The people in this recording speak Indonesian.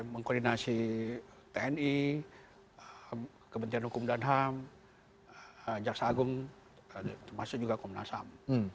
mengkoordinasi tni kementerian hukum dan ham jaksa agung termasuk juga komnas ham